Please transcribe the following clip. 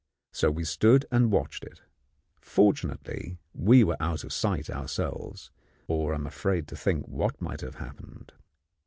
So we stood and watched it. Fortunately, we were out of sight ourselves, or I am afraid to think what might have happened.